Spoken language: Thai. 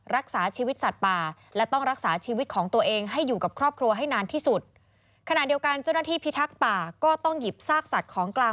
รักษาชีวิตสัตว์ป่า